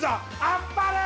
あっぱれ！